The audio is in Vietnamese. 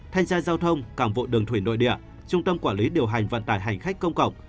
thanh tra giao thông cảng vụ đường thủy nội địa trung tâm quản lý điều hành vận tải hành khách công cộng